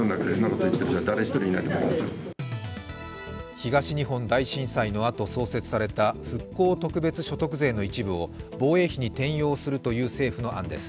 東日本大震災のあと、創設された復興特別所得税の一部を防衛費に転用するという政府の案です。